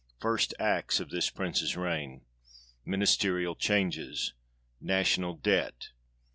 First acts of this Prince's reign. Ministerial changes. National Debt.